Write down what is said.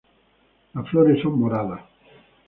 Las flores son moradas.